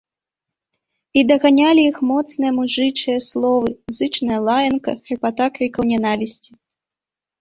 І даганялі іх моцныя мужычыя словы, зычная лаянка, хрыпата крыкаў нянавісці.